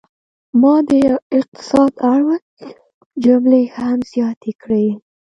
ما د اقتصاد اړوند جملې هم زیاتې کړې.